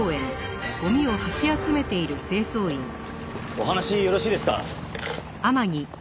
お話よろしいですか？